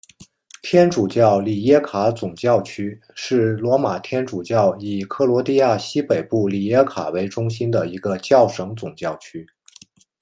天主教里耶卡总教区是罗马天主教以克罗地亚西北部里耶卡为中心的一个教省总教区。